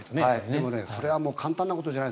でも、それは簡単なことじゃない。